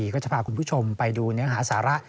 ก็จะพาคุณผู้ชมไปดูเนื้อหาสาระ